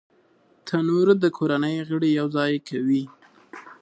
تنور د کورنۍ غړي یو ځای کوي